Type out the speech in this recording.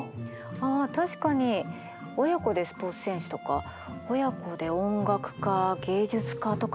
あ確かに親子でスポーツ選手とか親子で音楽家芸術家とかあるよね。